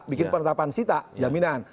bikin penetapan sita jaminan